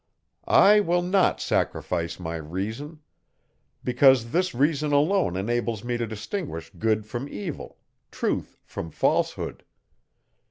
I will not sacrifice my reason; because this reason alone enables me to distinguish good from evil, truth from falsehood.